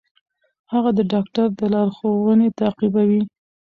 هغه د ډاکټر لارښوونې تعقیبوي.